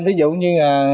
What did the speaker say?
ví dụ như là